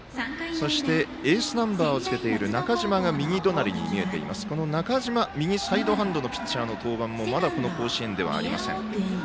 そしてエースナンバーをつけているこの中嶋、右サイドハンドのピッチャーの登板もこの甲子園ではまだありません。